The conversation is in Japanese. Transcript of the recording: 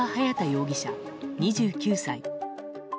容疑者、２９歳。